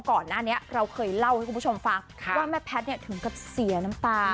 ก่อนหน้านี้เราเคยเล่าให้คุณผู้ชมฟังว่าแม่แพทย์ถึงกับเสียน้ำตา